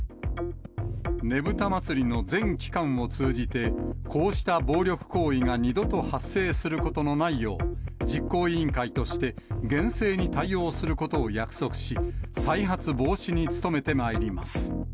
ねぶた祭の全期間を通じて、こうした暴力行為が二度と発生することのないよう、実行委員会として、厳正に対応することを約束し、再発防止に努めてまいります。